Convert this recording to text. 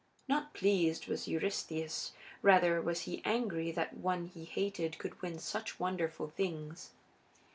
Not pleased was Eurystheus; rather was he angry that one he hated could win such wonderful things.